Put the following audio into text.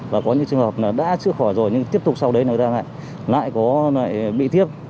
và có những trường hợp đã chữa khỏi rồi nhưng tiếp tục sau đấy lại bị thiếp